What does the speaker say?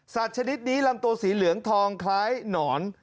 ชนิดนี้ลำตัวสีเหลืองทองคล้ายหนอน